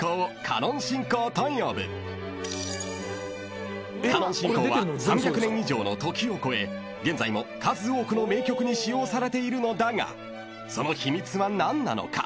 ［カノン進行は３００年以上の時を超え現在も数多くの名曲に使用されているのだがその秘密は何なのか］